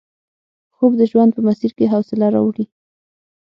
خوب د ژوند په مسیر کې حوصله راوړي